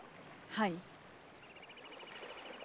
はい。